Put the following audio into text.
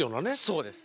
そうです。